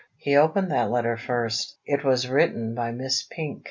He opened that letter first. It was written by Miss Pink.